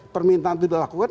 permintaan itu dilakukan